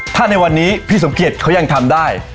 ถ้าในวันนี้พี่สมเกียจเขายังทำได้